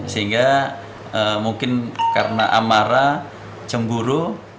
sehingga mungkin karena amarah cemburu